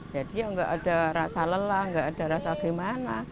jadi enggak ada rasa lelah enggak ada rasa gimana